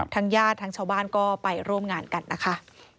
ญาติทั้งชาวบ้านก็ไปร่วมงานกันนะคะ